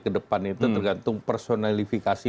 ke depan itu tergantung personalifikasi